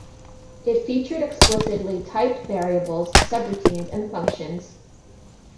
It featured explicitly typed variables, subroutines, and functions.